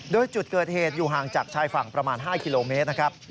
โดยจุดเกิดเหตุอยู่ห่างจากชายฝั่งประมาณ๕กิโลเมตรนะครับ